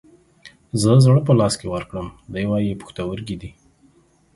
زه زړه په لاس کې ورکړم ، دى واي پښتورگى دى.